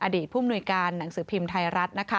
อดีตผู้มนุยการหนังสือพิมพ์ไทยรัฐ